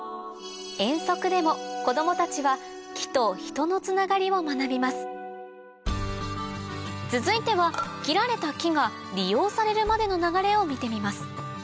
遠足でも子供たちは木と人のつながりを学びます続いては切られた木が利用されるまでの流れを見てみます